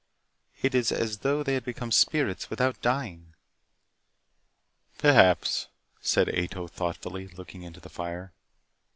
It is as though they had become spirits without dying." "Perhaps," said Ato thoughtfully, looking into the fire.